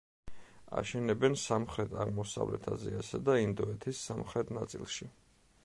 აშენებენ სამხრეთ-აღმოსავლეთ აზიასა და ინდოეთის სამხრეთ ნაწილში.